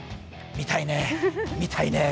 見たいね、見たいね。